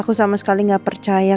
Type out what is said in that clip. aku sama sekali gak percaya